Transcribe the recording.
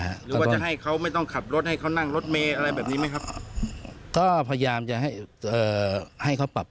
หรือว่าจะให้เขาไม่ต้องขับรถให้เขานั่งรถเมฆอะไรแบบนี้ไหมครับ